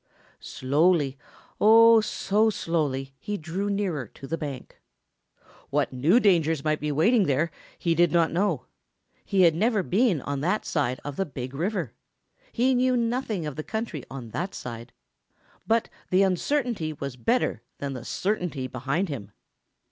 Slowly, oh so slowly, he drew nearer to the bank. What new dangers might be waiting there, he did not know. He had never been on that side of the Big River. He knew nothing of the country on that side. But the uncertainty was better than the certainty behind him.